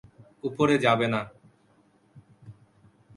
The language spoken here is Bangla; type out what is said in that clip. উপরে যাবে না।